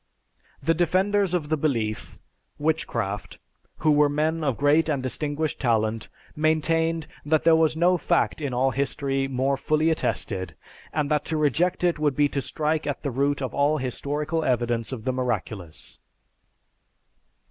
"The defenders of the belief (Witchcraft), who were men of great and distinguished talent, maintained that there was no fact in all history more fully attested, and that to reject it would be to strike at the root of all historical evidence of the miraculous."